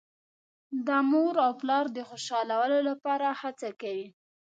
د مور او پلار د خوشحالولو لپاره هڅه کوي.